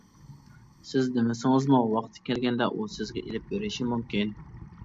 سىز دېمىسىڭىزمۇ ۋاقتى كەلگەندە ئۇ سىزگە ئېلىپ بېرىشى مۇمكىن.